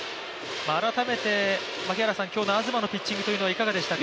改めて今日の東のピッチングというのはいかがでしたか？